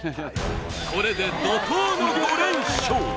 これで怒とうの５連勝！